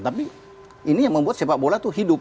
tapi ini yang membuat sepak bola itu hidup